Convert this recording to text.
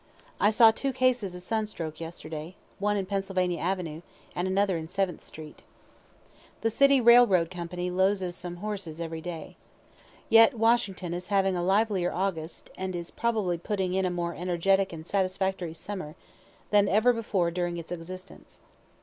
I saw two cases of sun stroke yesterday, one in Pennsylvania avenue, and another in Seventh street. The City railroad company loses some horses every day. Yet Washington is having a livelier August, and is probably putting in a more energetic and satisfactory summer, than ever before during its existence.